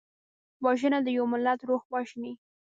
وژنه د یو ملت روح وژني